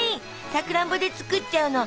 さくらんぼで作っちゃうの。